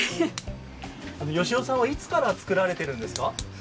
良雄さんはいつから作られているんですか。